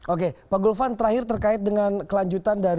oke pak gulvan terakhir terkait dengan kelanjutan dan kejelasan